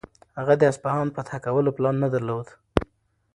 هغه د اصفهان فتح کولو پلان نه درلود.